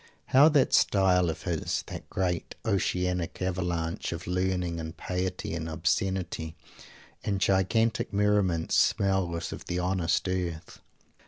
How that "style" of his, that great oceanic avalanche of learning and piety and obscenity and gigantic merriment, smells of the honest earth!